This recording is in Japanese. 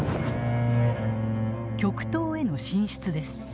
極東への進出です。